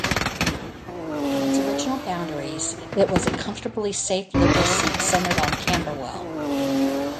On its original boundaries, it was a comfortably safe Liberal seat centered on Camberwell.